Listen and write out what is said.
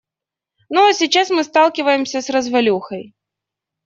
Ну а сейчас мы сталкиваемся с развалюхой.